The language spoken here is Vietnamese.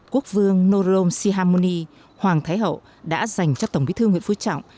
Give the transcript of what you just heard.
quốc vương norom sihamoni hoàng thái hậu đã dành cho tổng bí thư nguyễn phú trọng